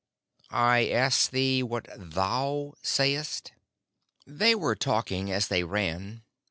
"I ask thee what thou sayest?" They were talking as they ran.